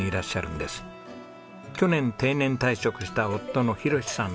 去年定年退職した夫の博さん